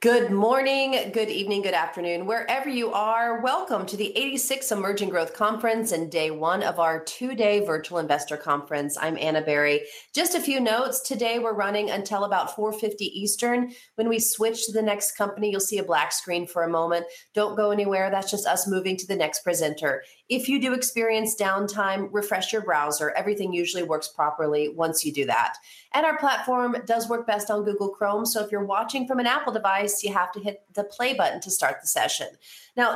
Good morning, good evening, good afternoon, wherever you are. Welcome to the 86th Emerging Growth Conference and day one of our two-day virtual investor conference. I'm Anna Berry. Just a few notes: today we're running until about 4:50 P.M. Eastern. When we switch to the next company, you'll see a black screen for a moment. Don't go anywhere. That's just us moving to the next presenter. If you do experience downtime, refresh your browser. Everything usually works properly once you do that. Our platform does work best on Google Chrome, so if you're watching from an Apple device, you have to hit the play button to start the session.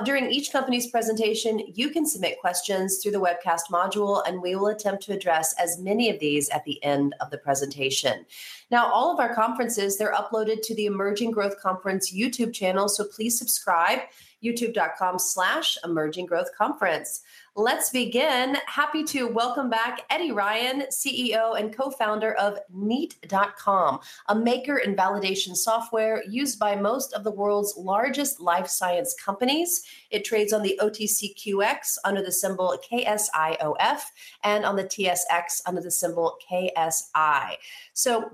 During each company's presentation, you can submit questions through the webcast module, and we will attempt to address as many of these at the end of the presentation. All of our conferences are uploaded to the Emerging Growth Conference YouTube channel, so please subscribe: youtube.com/emerginggrowthconference. Let's begin. Happy to welcome back Edmund Ryan, CEO and co-founder of Kneat.com, a maker and validation software used by most of the world's largest life sciences companies. It trades on the OTCQX under the symbol KSIOF and on the TSX under the symbol KSI.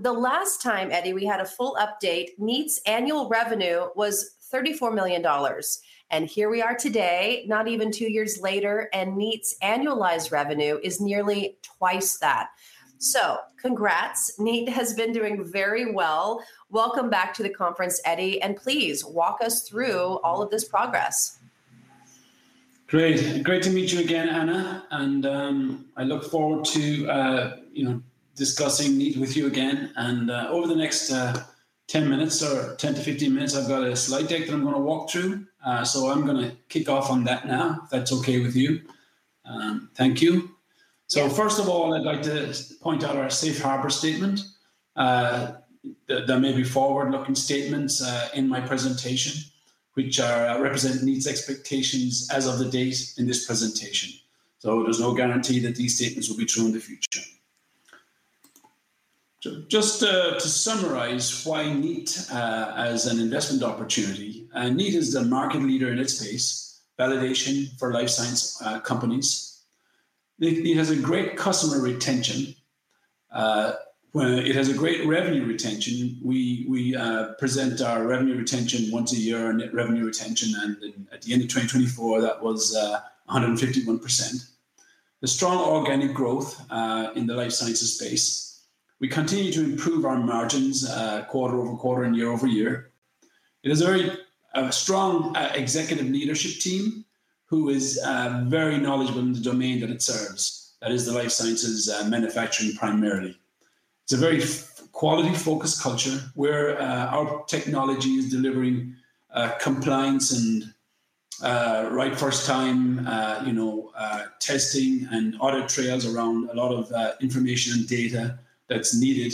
The last time, Edmund, we had a full update, Kneat.com's annual revenue was $34 million. Here we are today, not even two years later, and Kneat.com's annualized revenue is nearly twice that. Congrats. Kneat.com has been doing very well. Welcome back to the conference, Edmund, and please walk us through all of this progress. Great. Great to meet you again, Anna. I look forward to discussing Kneat.com with you again. Over the next 10 to 15 minutes, I've got a slide deck that I'm going to walk through. I'm going to kick off on that now, if that's OK with you. Thank you. First of all, I'd like to point out our safe harbor statement. There may be forward-looking statements in my presentation, which represent Kneat.com's expectations as of the date in this presentation. There's no guarantee that these statements will be true in the future. Just to summarize why Kneat.com is an investment opportunity, Kneat.com is the market leader in its space, validation for life science companies. It has great customer retention. It has great revenue retention. We present our revenue retention once a year, net revenue retention. At the end of 2024, that was 151%. Strong organic growth in the life sciences space. We continue to improve our margins quarter over quarter and year over year. It has a very strong executive leadership team who is very knowledgeable in the domain that it serves, that is the life sciences manufacturing primarily. It's a very quality-focused culture where our technology is delivering compliance and right first-time testing and audit trails around a lot of information and data that's needed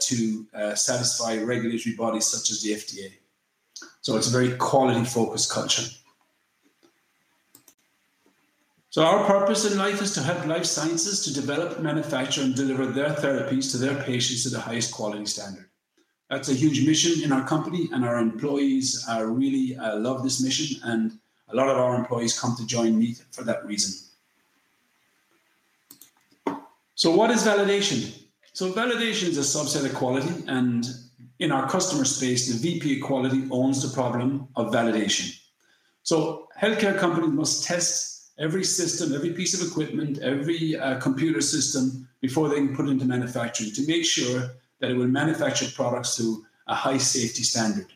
to satisfy regulatory bodies such as the FDA. It's a very quality-focused culture. Our purpose in life is to help life sciences to develop, manufacture, and deliver their therapies to their patients to the highest quality standard. That's a huge mission in our company. Our employees really love this mission. A lot of our employees come to join Kneat.com for that reason. What is validation? Validation is a subset of quality. In our customer space, the VP of Quality owns the problem of validation. Health care companies must test every system, every piece of equipment, every computer system before they can put it into manufacturing to make sure that it will manufacture products to a high safety standard.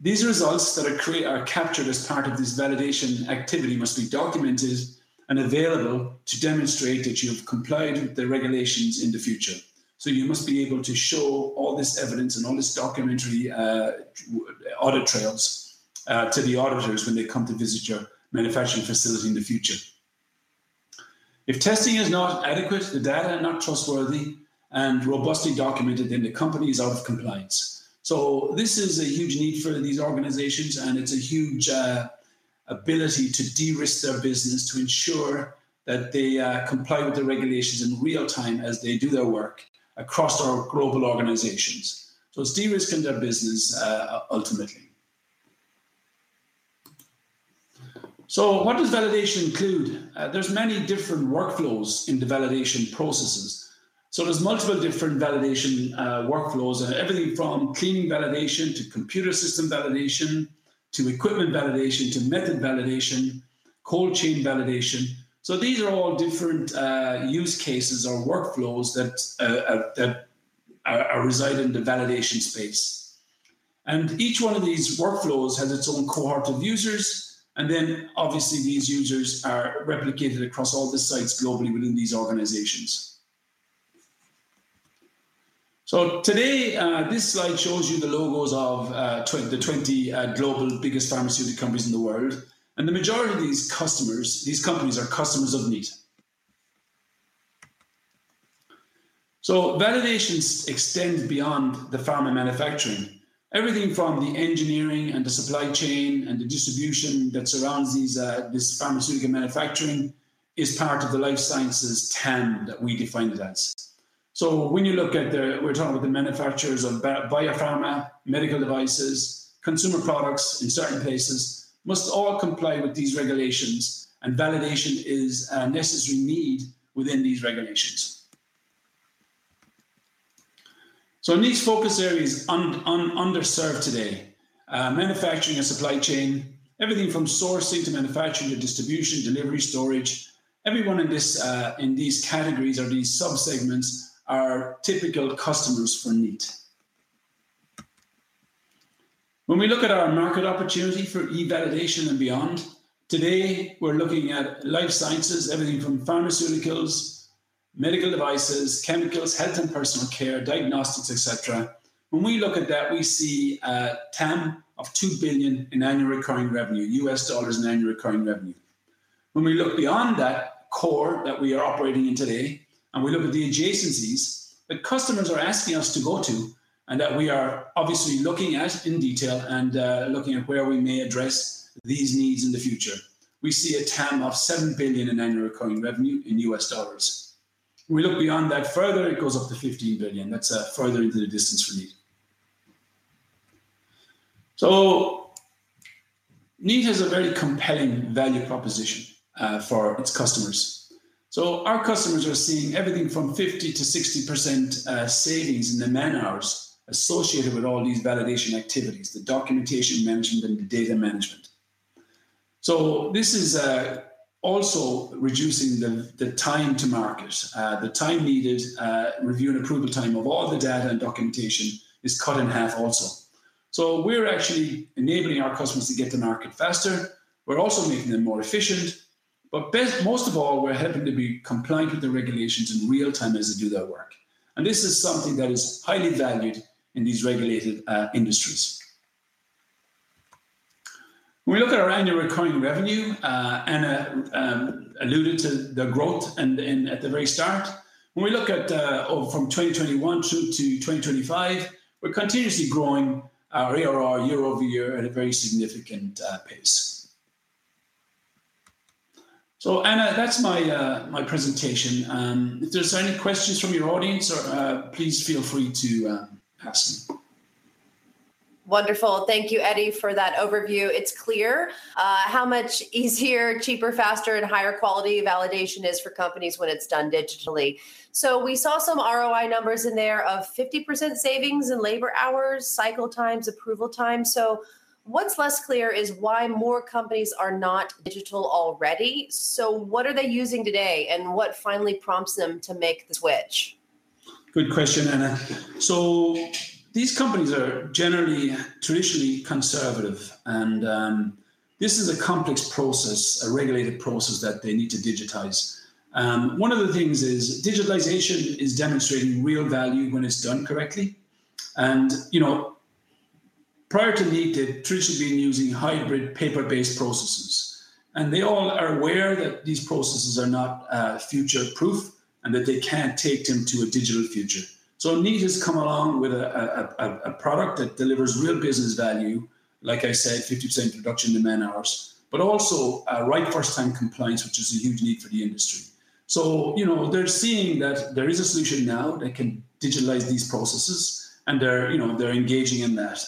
These results that are captured as part of this validation activity must be documented and available to demonstrate that you have complied with the regulations in the future. You must be able to show all this evidence and all this documentary audit trails to the auditors when they come to visit your manufacturing facility in the future. If testing is not adequate, the data is not trustworthy and robustly documented, then the company is out of compliance. This is a huge need for these organizations. It's a huge ability to de-risk their business to ensure that they comply with the regulations in real time as they do their work across our global organizations. It's de-risking their business ultimately. What does validation include? There are many different workflows in the validation processes. There are multiple different validation workflows, everything from cleaning validation to computer system validation to equipment validation to method validation, cold chain validation. These are all different use cases or workflows that reside in the validation space. Each one of these workflows has its own cohort of users. Obviously, these users are replicated across all the sites globally within these organizations. Today, this slide shows you the logos of the 20 global biggest pharmaceutical companies in the world. The majority of these companies are customers of Kneat.com. Validation extends beyond the pharma manufacturing. Everything from the engineering and the supply chain and the distribution that surrounds this pharmaceutical manufacturing is part of the life sciences total addressable market (TAM) that we define as. When you look at the, we're talking about the manufacturers of biopharma, medical devices, consumer products in certain places, must all comply with these regulations. Validation is a necessary need within these regulations. In these focus areas underserved today, manufacturing and supply chain, everything from sourcing to manufacturing to distribution, delivery, storage, everyone in these categories or these subsegments are typical customers for Kneat.com. When we look at our market opportunity for e-validation and beyond, today we're looking at life sciences, everything from pharmaceuticals, medical devices, chemicals, health and personal care, diagnostics, et cetera. When we look at that, we see a TAM of $2 billion in annual recurring revenue (ARR), US dollars in annual recurring revenue. When we look beyond that core that we are operating in today, and we look at the adjacencies, the customers are asking us to go to, and that we are obviously looking at in detail and looking at where we may address these needs in the future. We see a TAM of $7 billion in annual recurring revenue in US dollars. We look beyond that further. It goes up to $15 billion. That's further into the distance for Kneat.com. Kneat.com has a very compelling value proposition for its customers. Our customers are seeing everything from 50% to 60% savings in the man-hours associated with all these validation activities, the documentation mentioned, and the data management. This is also reducing the time to market. The time needed, review and approval time of all the data and documentation is cut in half also. We're actually enabling our customers to get to market faster. We're also making them more efficient. Most of all, we're helping them be compliant with the regulations in real time as they do their work. This is something that is highly valued in these regulated industries. When we look at our annual recurring revenue, Anna alluded to the growth at the very start. When we look at from 2021 through to 2025, we're continuously growing our ARR year over year at a very significant pace. Anna, that's my presentation. If there are any questions from your audience, please feel free to ask them. Wonderful. Thank you, Eddy, for that overview. It's clear how much easier, cheaper, faster, and higher quality validation is for companies when it's done digitally. We saw some ROI numbers in there of 50% savings in labor hours, cycle times, approval times. What's less clear is why more companies are not digital already. What are they using today? What finally prompts them to make the switch? Good question, Anna. These companies are generally traditionally conservative, and this is a complex process, a regulated process that they need to digitize. One of the things is digitalization is demonstrating real value when it's done correctly. Prior to Kneat.com, they had traditionally been using hybrid paper-based processes, and they all are aware that these processes are not future-proof and that they can't take them to a digital future. Kneat.com has come along with a product that delivers real business value, like I said, 50% reduction in the man-hours, but also right first time compliance, which is a huge need for the industry. They're seeing that there is a solution now that can digitalize these processes, and they're engaging in that.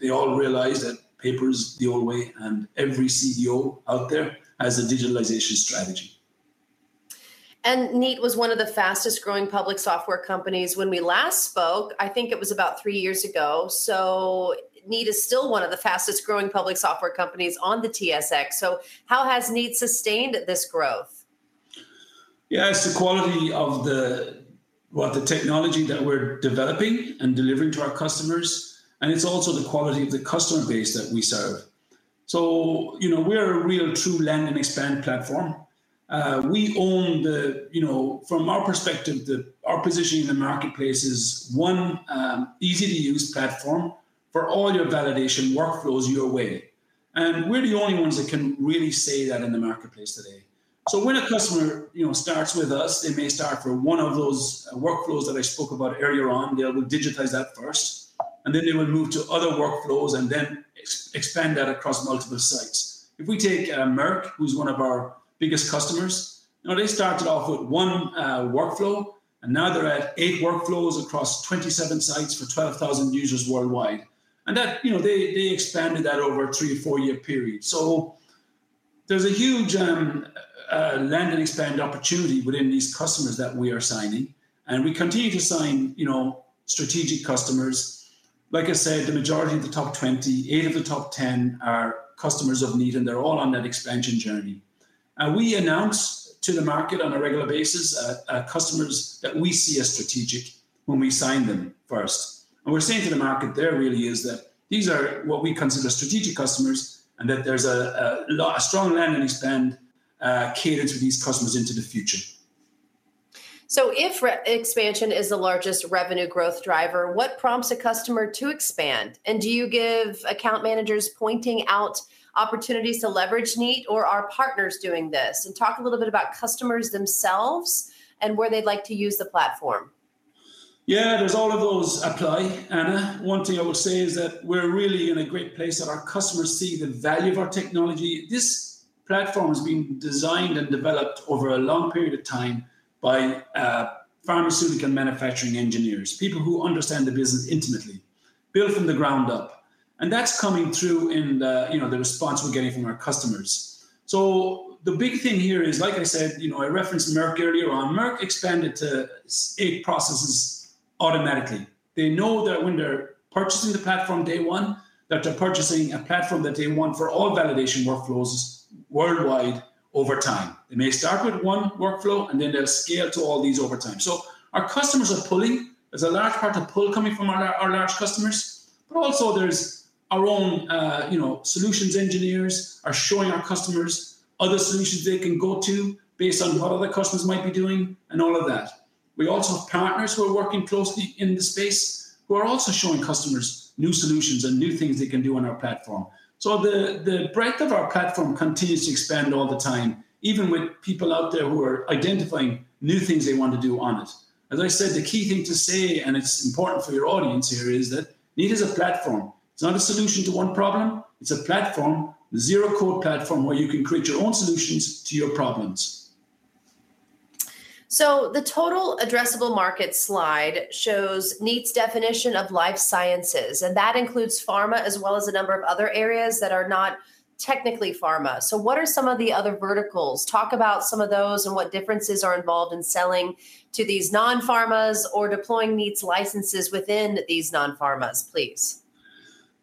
They all realize that paper is the old way, and every CEO out there has a digitalization strategy. Kneat.com was one of the fastest growing public software companies. When we last spoke, I think it was about three years ago. Kneat.com is still one of the fastest growing public software companies on the TSX. How has Kneat.com sustained this growth? Yeah, it's the quality of the technology that we're developing and delivering to our customers. It's also the quality of the customer base that we serve. We are a real, true land and expand platform. We own the, from our perspective, our position in the marketplace is one easy-to-use platform for all your validation workflows your way. We're the only ones that can really say that in the marketplace today. When a customer starts with us, they may start for one of those workflows that I spoke about earlier on. They will digitize that first, then they will move to other workflows and expand that across multiple sites. If we take Merck, who's one of our biggest customers, they started off with one workflow and now they're at eight workflows across 27 sites for 12,000 users worldwide. They expanded that over a three or four-year period. There's a huge land and expand opportunity within these customers that we are signing. We continue to sign strategic customers. Like I said, the majority of the top 20, eight of the top 10 are customers of Kneat.com. They're all on that expansion journey. We announce to the market on a regular basis customers that we see as strategic when we sign them first. We're saying to the market there really is that these are what we consider strategic customers and that there's a strong land and expand cadence for these customers into the future. If expansion is the largest revenue growth driver, what prompts a customer to expand? Do you give account managers pointing out opportunities to leverage Kneat.com, or are partners doing this? Talk a little bit about customers themselves and where they'd like to use the platform. Yeah, all of those apply, Anna. One thing I will say is that we're really in a great place that our customers see the value of our technology. This platform has been designed and developed over a long period of time by pharmaceutical manufacturing engineers, people who understand the business intimately, built from the ground up. That's coming through in the response we're getting from our customers. The big thing here is, like I said, I referenced Merck earlier on. Merck expanded to eight processes automatically. They know that when they're purchasing the platform day one, they're purchasing a platform that they want for all validation workflows worldwide over time. They may start with one workflow, and then they'll scale to all these over time. Our customers are pulling. There's a large part of pull coming from our large customers. Also, our own solutions engineers are showing our customers other solutions they can go to based on what other customers might be doing and all of that. We also have partners who are working closely in the space who are also showing customers new solutions and new things they can do on our platform. The breadth of our platform continues to expand all the time, even with people out there who are identifying new things they want to do on it. As I said, the key thing to say, and it's important for your audience here, is that Kneat is a platform. It's not a solution to one problem. It's a platform, a zero-code platform where you can create your own solutions to your problems. The total addressable market slide shows Kneat.com's definition of life sciences. That includes pharma as well as a number of other areas that are not technically pharma. What are some of the other verticals? Talk about some of those and what differences are involved in selling to these non-pharmas or deploying Kneat.com's licenses within these non-pharmas, please.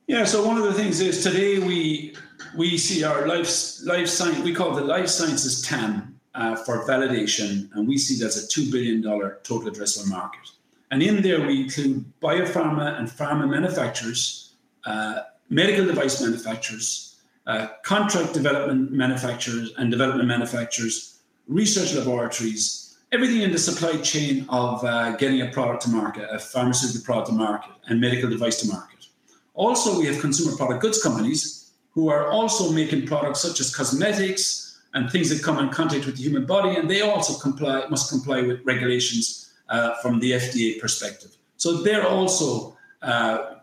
Yeah, one of the things is today we see our life sciences, we call it the life sciences TAM for validation. We see that as a $2 billion total addressable market. In there, we include biopharma and pharma manufacturers, medical device manufacturers, contract development manufacturers, and development manufacturers, research laboratories, everything in the supply chain of getting a product to market, a pharmaceutical product to market, and medical device to market. We also have consumer product goods companies who are also making products such as cosmetics and things that come in contact with the human body. They also must comply with regulations from the FDA perspective. They're also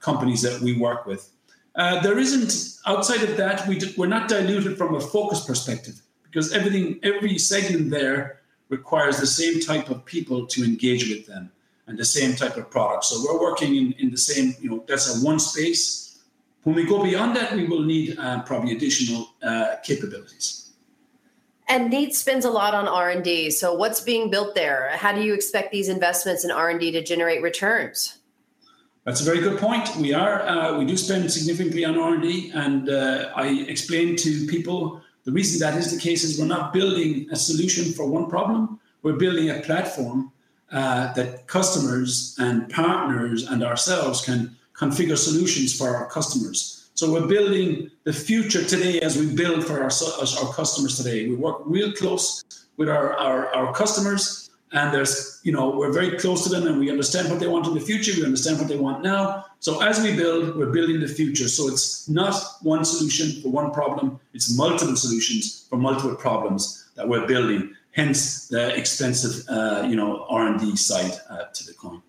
companies that we work with. There isn't, outside of that, we're not diluted from a focus perspective because every segment there requires the same type of people to engage with them and the same type of product. We're working in the same, that's our one space. When we go beyond that, we will need probably additional capabilities. Kneat.com spends a lot on R&D. What’s being built there? How do you expect these investments in R&D to generate returns? That's a very good point. We do spend significantly on R&D. I explain to people the reason that is the case is we're not building a solution for one problem. We're building a platform that customers and partners and ourselves can configure solutions for our customers. We're building the future today as we build for our customers today. We work real close with our customers. We're very close to them, and we understand what they want in the future. We understand what they want now. As we build, we're building the future. It's not one solution for one problem. It's multiple solutions for multiple problems that we're building, hence the expensive R&D side to the coin.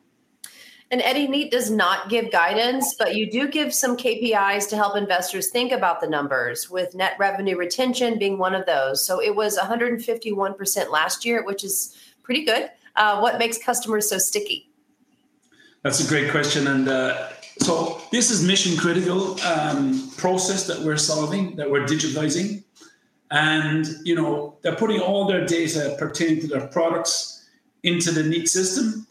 Eddy, Kneat.com does not give guidance, but you do give some KPIs to help investors think about the numbers, with net revenue retention being one of those. It was 151% last year, which is pretty good. What makes customers so sticky? That's a great question. This is a mission-critical process that we're solving, that we're digitizing. They're putting all their data pertaining to their products into the Kneat.com system.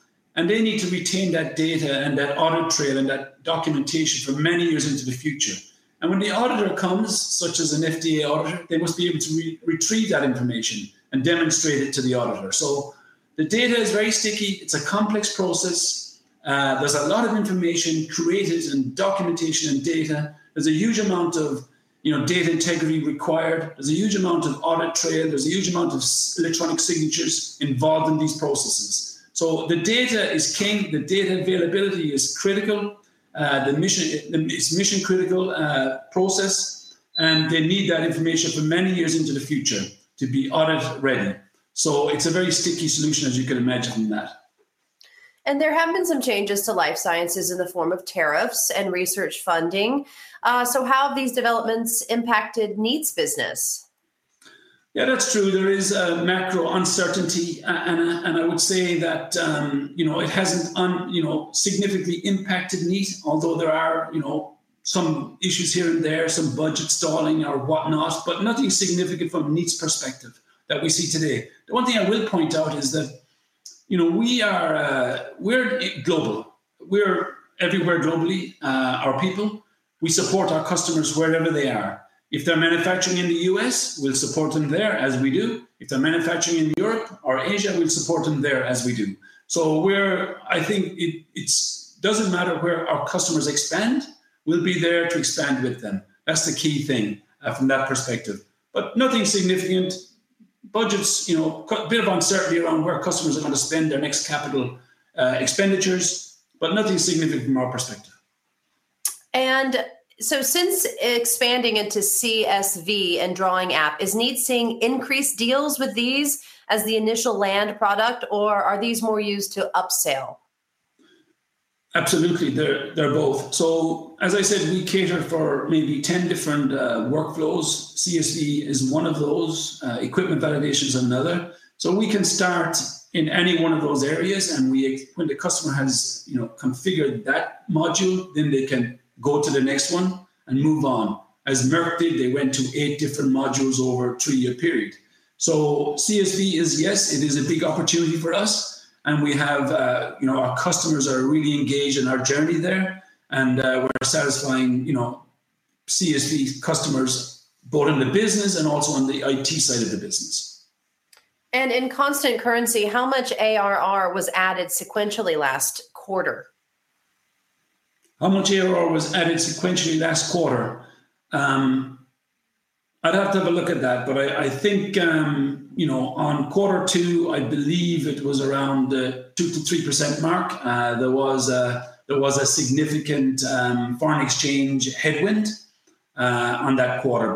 They need to retain that data and that audit trail and that documentation for many years into the future. When the auditor comes, such as an FDA auditor, they must be able to retrieve that information and demonstrate it to the auditor. The data is very sticky. It's a complex process. There's a lot of information created in documentation and data. There's a huge amount of data integrity required. There's a huge amount of audit trail. There's a huge amount of electronic signatures involved in these processes. The data is king. The data availability is critical. It's a mission-critical process. They need that information for many years into the future to be audit-ready. It's a very sticky solution, as you can imagine from that. There have been some changes to life sciences in the form of tariffs and research funding. How have these developments impacted Kneat.com's business? Yeah, that's true. There is a macro uncertainty. I would say that it hasn't significantly impacted Kneat.com, although there are some issues here and there, some budget stalling or whatnot, but nothing significant from Kneat.com's perspective that we see today. The one thing I will point out is that we are global. We're everywhere globally, our people. We support our customers wherever they are. If they're manufacturing in the U.S., we'll support them there, as we do. If they're manufacturing in Europe or Asia, we'll support them there, as we do. I think it doesn't matter where our customers expand. We'll be there to expand with them. That's the key thing from that perspective. Nothing significant. Budgets, a bit of uncertainty around where customers are going to spend their next capital expenditures, but nothing significant from our perspective. Since expanding into computer system validation and drawing app, is Kneat.com seeing increased deals with these as the initial land product, or are these more used to upsell? Absolutely. They're both. As I said, we cater for maybe 10 different workflows. CSV is one of those. Equipment validation is another. We can start in any one of those areas. When the customer has configured that module, they can go to the next one and move on. As Merck did, they went to eight different modules over a three-year period. CSV is a big opportunity for us. Our customers are really engaged in our journey there, and we're satisfying CSV customers both in the business and also on the IT side of the business. In constant currency, how much ARR was added sequentially last quarter? How much ARR was added sequentially last quarter? I'd have to have a look at that. I think on quarter two, I believe it was around the 2% to 3% mark. There was a significant foreign exchange headwind on that quarter.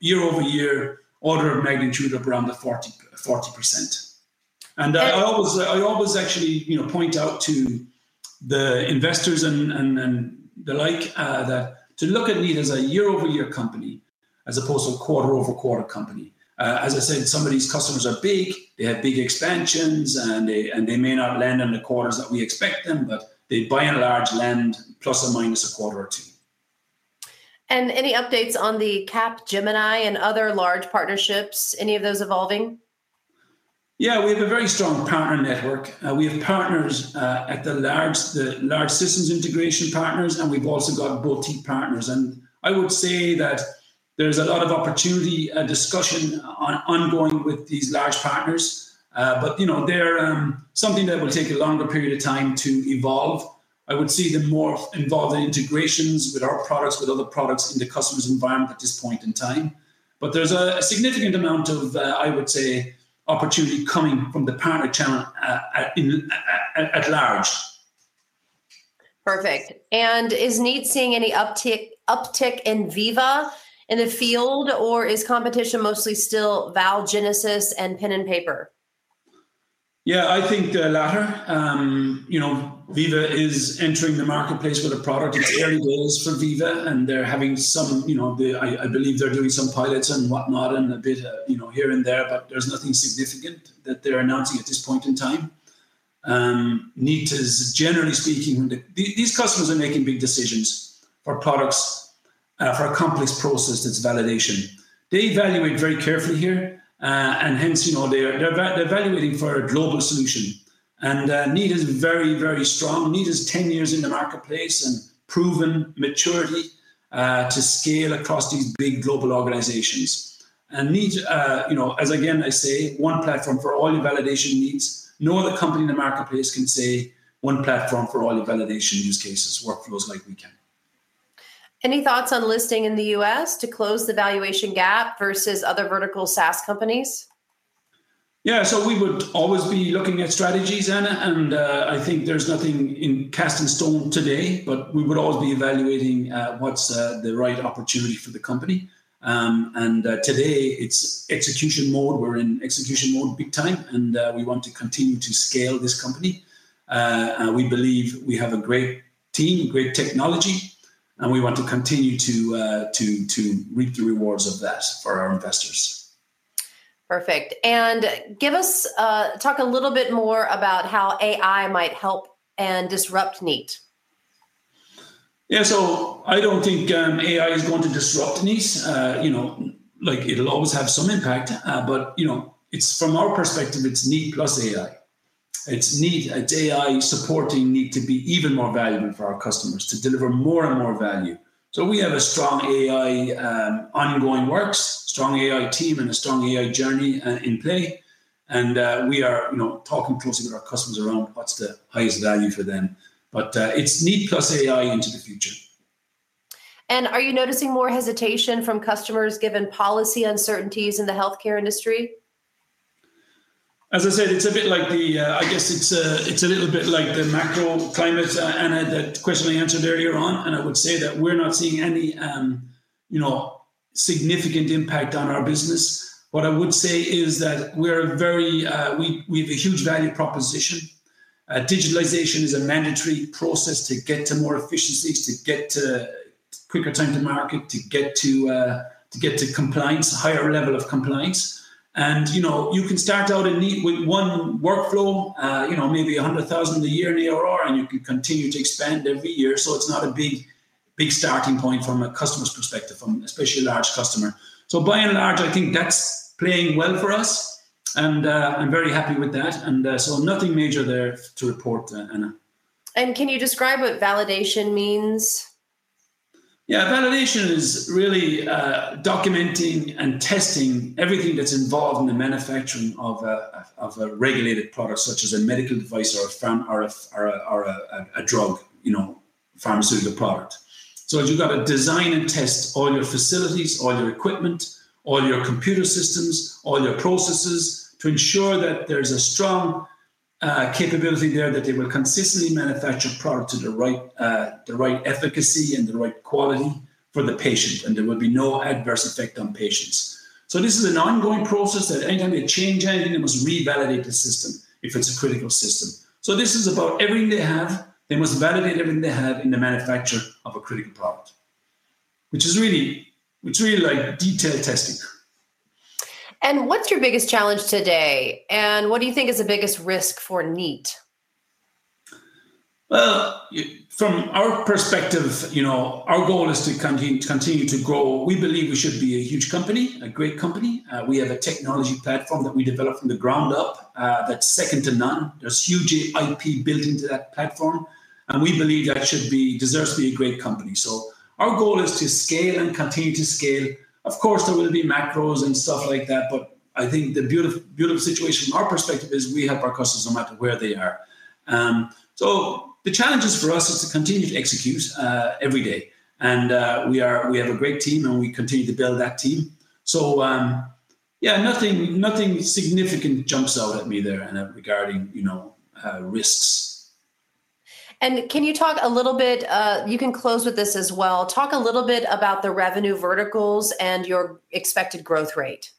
Year over year, order of magnitude of around the 40%. I always actually point out to the investors and the like that to look at Kneat.com as a year-over-year company as opposed to a quarter-over-quarter company. As I said, some of these customers are big. They have big expansions, and they may not land in the quarters that we expect them. They by and large land plus or minus a quarter or two. there any updates on the Capgemini and other large partnerships? Are any of those evolving? Yeah, we have a very strong partner network. We have partners at the large systems integration partners. We've also got boutique partners. I would say that there's a lot of opportunity discussion ongoing with these large partners. They're something that will take a longer period of time to evolve. I would see them more involved in integrations with our products, with other products in the customer's environment at this point in time. There's a significant amount of, I would say, opportunity coming from the partner channel at large. Perfect. Is Kneat.com seeing any uptick in Veeva in the field, or is competition mostly still ValGenesis and pen and paper? Yeah, I think the latter. Veeva is entering the marketplace with a product. It's early goals for Veeva, and they're having some, I believe they're doing some pilots and whatnot and a bit here and there. There's nothing significant that they're announcing at this point in time. Kneat.com is, generally speaking, when these customers are making big decisions for products for a complex process, it's validation. They evaluate very carefully here, and hence, they're evaluating for a global solution. Kneat.com is very, very strong. Kneat.com is 10 years in the marketplace and proven maturely to scale across these big global organizations. Kneat.com, as again I say, one platform for all your validation needs. No other company in the marketplace can say one platform for all your validation use cases, workflows like we can. Any thoughts on listing in the U.S. to close the valuation gap versus other vertical SaaS companies? We would always be looking at strategies, Anna. I think there's nothing in casting stone today. We would always be evaluating what's the right opportunity for the company. Today, it's execution mode. We're in execution mode big time, and we want to continue to scale this company. We believe we have a great team, great technology, and we want to continue to reap the rewards of that for our investors. Perfect. Talk a little bit more about how AI might help and disrupt Kneat.com. Yeah, I don't think AI is going to disrupt Kneat.com. It'll always have some impact. From our perspective, it's Kneat.com plus AI. It's AI supporting Kneat.com to be even more valuable for our customers, to deliver more and more value. We have a strong AI ongoing works, strong AI team, and a strong AI journey in play. We are talking closely with our customers around what's the highest value for them. It's Kneat.com plus AI into the future. Are you noticing more hesitation from customers given policy uncertainties in the health care industry? As I said, it's a bit like the, I guess it's a little bit like the macro climate, Anna, that question I answered earlier. I would say that we're not seeing any significant impact on our business. What I would say is that we have a huge value proposition. Digitalization is a mandatory process to get to more efficiencies, to get to quicker time to market, to get to compliance, a higher level of compliance. You can start out in Kneat.com with one workflow, maybe $100,000 a year in the ARR, and you can continue to expand every year. It's not a big starting point from a customer's perspective, especially a large customer. By and large, I think that's playing well for us. I'm very happy with that. Nothing major there to report, Anna. Can you describe what validation means? Yeah, validation is really documenting and testing everything that's involved in the manufacturing of a regulated product, such as a medical device or a drug, you know, pharmaceutical product. You've got to design and test all your facilities, all your equipment, all your computer systems, all your processes to ensure that there is a strong capability there that they will consistently manufacture products to the right efficacy and the right quality for the patient. There will be no adverse effect on patients. This is an ongoing process. Any time they change anything, they must revalidate the system if it's a critical system. This is about everything they have. They must validate everything they have in the manufacture of a critical product, which is really like detailed testing. What is your biggest challenge today? What do you think is the biggest risk for Kneat.com? From our perspective, our goal is to continue to grow. We believe we should be a huge company, a great company. We have a technology platform that we developed from the ground up that's second to none. There's huge IP built into that platform, and we believe that deserves to be a great company. Our goal is to scale and continue to scale. Of course, there will be macros and stuff like that. I think the beautiful situation from our perspective is we help our customers no matter where they are. The challenges for us are to continue to execute every day. We have a great team, and we continue to build that team. Nothing significant jumps out at me there, Anna, regarding risks. Can you talk a little bit, you can close with this as well, talk a little bit about the revenue verticals and your expected growth rate?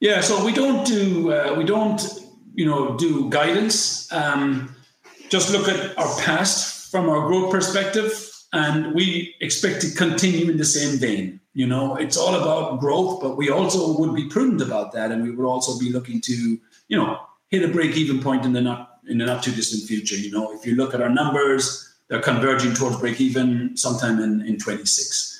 Yeah, we don't do guidance. Just look at our past from our growth perspective, and we expect to continue in the same vein. It's all about growth, but we also would be prudent about that. We would also be looking to hit a break-even point in the not-too-distant future. If you look at our numbers, they're converging towards break-even sometime in 2026.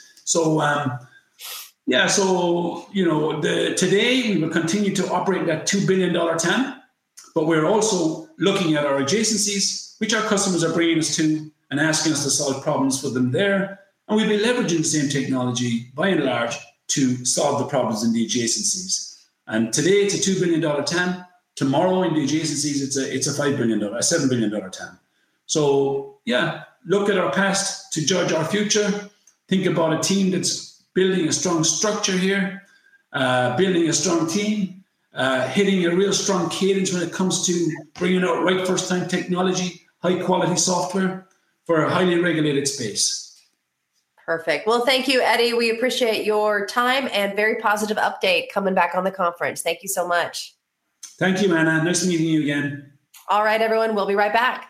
Today we will continue to operate in that $2 billion TAM, but we're also looking at our adjacencies, which our customers are bringing us to and asking us to solve problems for them there. We'll be leveraging the same technology by and large to solve the problems in the adjacencies. Today, it's a $2 billion TAM. Tomorrow, in the adjacencies, it's a $7 billion TAM. Look at our past to judge our future. Think about a team that's building a strong structure here, building a strong team, hitting a real strong cadence when it comes to bringing out right first time technology, high-quality software for a highly regulated space. Perfect. Thank you, Eddy. We appreciate your time and very positive update coming back on the conference. Thank you so much. Thank you, Anna. Nice meeting you again. All right, everyone. We'll be right back.